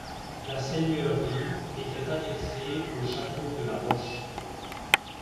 La seigneurie était annexée au château de la Roche.